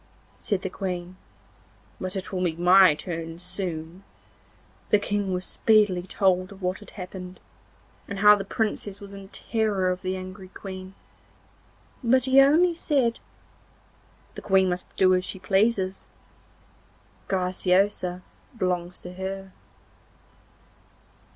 said the Queen, 'but it will be my turn soon!' The King was speedily told what had happened, and how the Princess was in terror of the angry Queen, but he only said: 'The Queen must do as she pleases. Graciosa belongs to her!